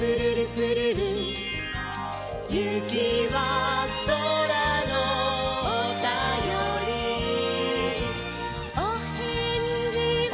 「ゆきはそらのおたより」「おへんじは」